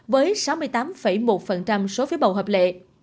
với sáu mươi tám một số phiếu bầu hợp lệ